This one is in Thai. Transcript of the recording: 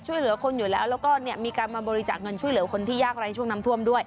ช่วยเหลือคนอยู่แล้วมีการบริจาคเงินช่วยเหลือคนที่หยากใร้ช่วงนำท่วมด้วย